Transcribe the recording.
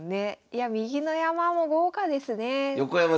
いや右の山も豪華ですね。